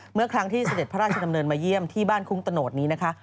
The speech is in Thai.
เมื่อครั้งที่เสด็จพระราชดำเนินมาเยี่ยมที่บ้านคุ้งตะโนดนี้นะคะ